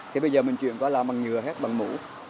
thì bây giờ mình chuyển qua làm bằng nhựa hết bằng mũ